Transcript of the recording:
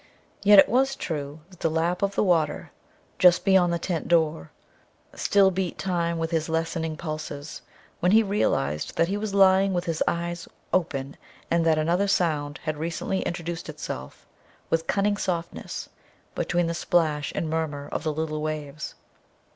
Yet it was true that the lap of the water, just beyond the tent door, still beat time with his lessening pulses when he realized that he was lying with his eyes open and that another sound had recently introduced itself with cunning softness between the splash and murmur of the little waves.